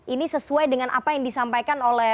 ini sesuai dengan apa yang disampaikan oleh